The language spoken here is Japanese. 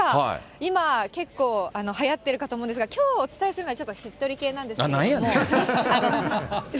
今、結構はやってるかと思うんですが、きょうお伝えするのはしっとり系なんやねん。